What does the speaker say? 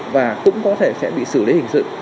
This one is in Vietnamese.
và cũng có thể sẽ bị xử lý hình sự